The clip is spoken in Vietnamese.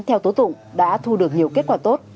theo tố tụng đã thu được nhiều kết quả tốt